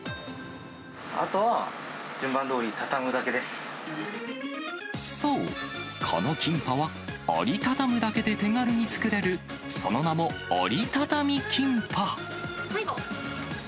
あとは順番どおり、そう、このキンパは、折り畳むだけで手軽に作れる、その名も、折りたたみキンパ。